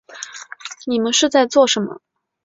你们是在做什么